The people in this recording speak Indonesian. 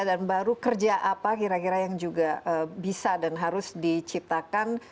dan baru kerja apa kira kira yang juga bisa dan harus diciptakan